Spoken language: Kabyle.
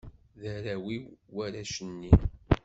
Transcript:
D arraw-iw warrac-nni.